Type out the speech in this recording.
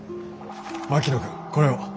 槙野君これを。